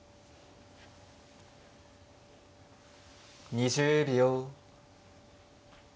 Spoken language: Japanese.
２０秒。